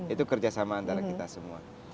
itu kerjasama antara kita semua